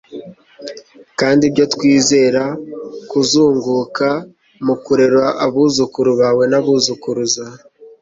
kandi ibyo twizera kuzunguka mukurera abuzukuru bawe n'abuzukuruza